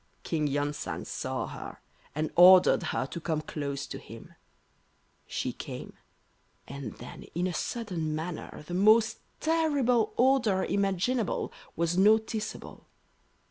King Yon san saw her, and ordered her to come close to him. She came, and then in a sudden manner the most terrible odour imaginable was noticeable.